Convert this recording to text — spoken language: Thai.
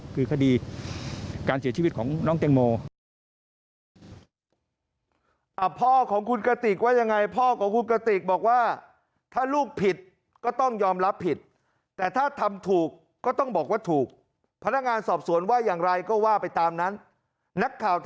คือคดีการเสียชีวิตของน้องแตงโม